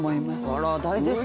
あらっ大絶賛。